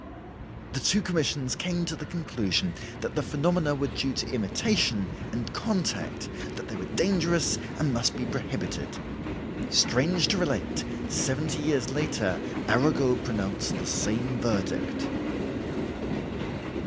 "The two commissions came to the conclusion that the phenomena were due to imitation, and contact, that they were dangerous and must be prohibited. Strange to relate, seventy years later, Arago pronounced the same verdict!"